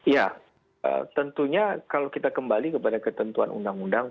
ya tentunya kalau kita kembali kepada ketentuan undang undang